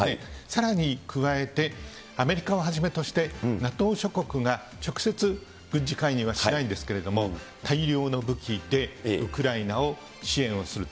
さらに加えて、アメリカをはじめとして、ＮＡＴＯ諸国が直接軍事介入はしないんですけれども、大量の武器でウクライナを支援をする。